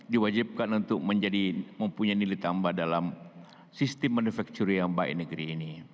dan juga untuk mempunyai nilai tambahan dalam sistem manufaktur yang baik negeri ini